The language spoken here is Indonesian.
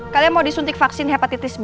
kalian mau disuntik vaksin hepatitis dua